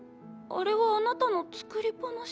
あれはあなたの作り話じゃ？